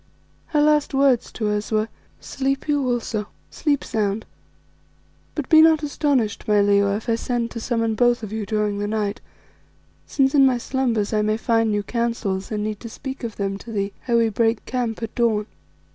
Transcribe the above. Her last words to us were "Sleep you also, sleep sound, but be not astonished, my Leo, if I send to summon both of you during the night, since in my slumbers I may find new counsels and need to speak of them to thee ere we break camp at dawn."